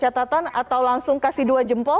catatan atau langsung kasih dua jempol